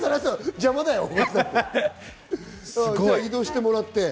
じゃあ移動してもらって。